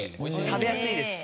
食べやすいですし。